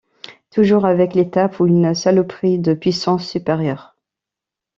Toujours avec l'étape où une saloperie de puissance supérieure.